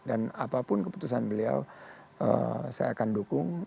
dan apapun keputusan beliau saya akan dukung